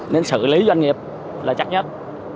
nên xử lý doanh nghiệp là chắc nhất